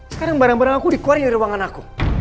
sekarang barang barang aku dikeluarin dari ruangan aku